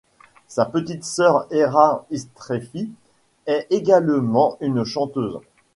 Sa petite sœur Era Istrefi est également une chanteuse.